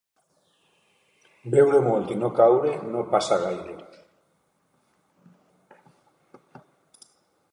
Beure molt i no caure no passa gaire.